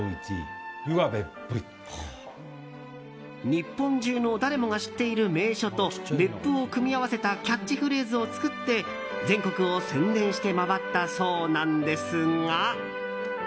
日本中の誰もが知っている名所と別府を組み合わせたキャッチフレーズを作って全国を宣伝して回ったそうなんですが。